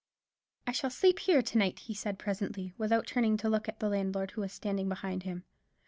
"I shall sleep here to night," he said presently, without turning to look at the landlord, who was standing behind him.